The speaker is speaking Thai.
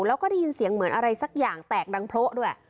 แล้วก็ได้ยินเสียงเหมือนอะไรสักอย่างแตกดังโพะด้วย